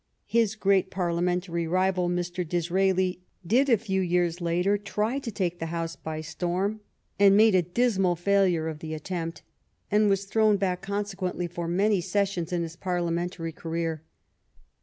His great Parliamentary rival, Mr. Disraeli, did a few years later try to take the House b}^ storm, and made a 48 THE STORY OF GLADSTONE'S LIFE dismal failure of the attempt, and was thrown back consequently for many sessions in his Parlia mentary career.